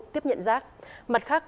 tiếp nhận rác mặt khác